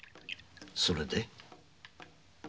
それで？